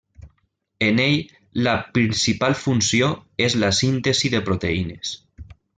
En ell la principal funció és la síntesi de proteïnes.